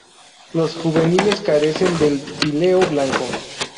Los juveniles carecen del píleo blanco.